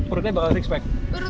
perutnya bakal six pack